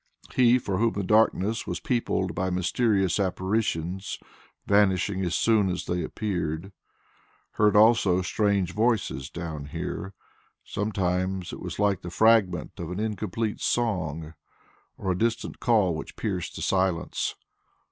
He for whom the darkness was peopled by mysterious apparitions vanishing as soon as they appeared, heard also strange voices down here. Sometimes it was like the fragment of an incomplete song or a distant call which pierced the silence.